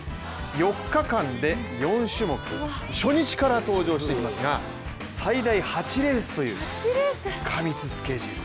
４日間で４種目、初日から登場してきますが最大８レースという過密スケジュール。